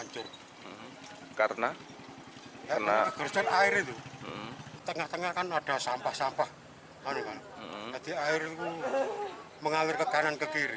jadi air mengalir ke kanan ke kiri